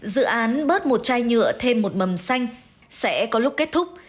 dự án bớt một chai nhựa thêm một mầm xanh sẽ có lúc kết thúc